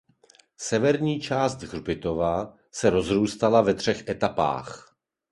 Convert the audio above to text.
Severní část hřbitova se rozrůstala ve třech etapách.